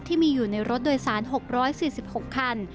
ที่มีอยู่ในรถโดยสาร๖๔๖คัน